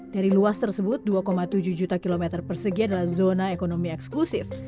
dari luas tersebut dua tujuh juta km persegi adalah zona ekonomi eksklusif